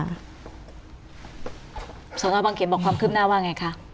ครับสอนอบังเขนบอกความคืบหน้าล่าว่าไงคะ